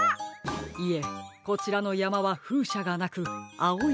いえこちらのやまはふうしゃがなくあおい